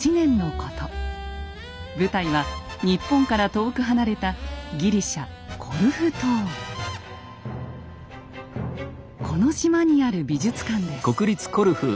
舞台は日本から遠く離れたこの島にある美術館です。